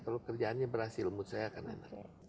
kalau kerjaannya berhasil mood saya akan enak